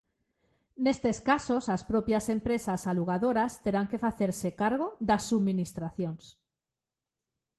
Nestes casos as propias empresas alugadoras terán que facerse cargo das subministracións.